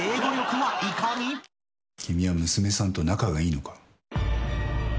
君は娘さんと仲がいいのか。